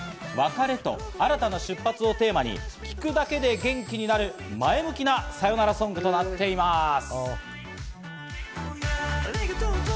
別れと新たな出発をテーマに聴くだけで元気になる前向きな、さよならソングとなっています。